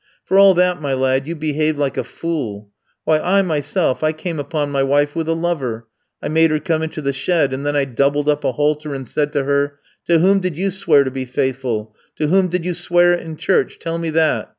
"For all that, my lad, you behaved like a fool. Why, I myself I came upon my wife with a lover. I made her come into the shed, and then I doubled up a halter and said to her: "'To whom did you swear to be faithful? to whom did you swear it in church? Tell me that?'